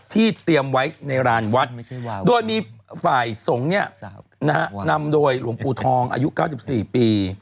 ที่เตรียมไว้ในรานวัดโดยมีฝ่ายสงฆ์นำโดยหลวงปูทองอายุ๙๔ปี